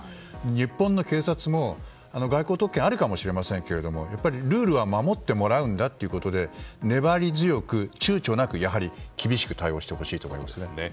日本の警察も外交特権はあるかもしれませんけどやっぱりルールは守ってもらうんだということで粘り強く躊躇なく厳しく対応してほしいと思いますね。